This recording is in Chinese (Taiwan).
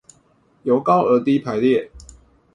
由高而低排列